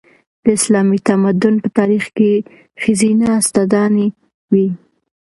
د اسلامي تمدن په تاریخ کې ښځینه استادانې وې.